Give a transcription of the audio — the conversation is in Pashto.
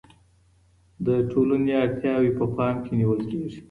د ټولني اړتياوې په پام کي نیول کيږي.